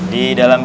di dalam kita